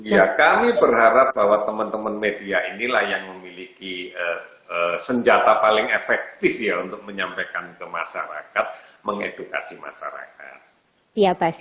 ya kami berharap bahwa teman teman media inilah yang memiliki senjata paling efektif ya untuk menyampaikan ke masyarakat mengedukasi masyarakat